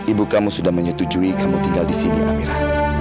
ibu kamu sudah menyetujui kamu tinggal di sini amirah